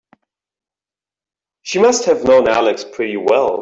She must have known Alex pretty well.